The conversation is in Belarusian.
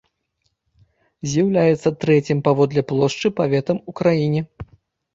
З'яўляецца трэцім паводле плошчы паветам у краіне.